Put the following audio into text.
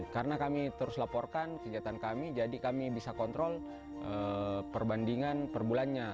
karena kami terus laporkan kejadian kami jadi kami bisa kontrol perbandingan perbulannya